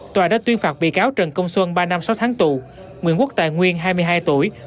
tòa đã tuyên phạt bị cáo trần công xuân ba năm sáu tháng tù nguyễn quốc tài nguyên hai mươi hai tuổi